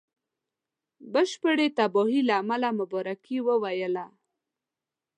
بشپړي تباهی له امله مبارکي وویله.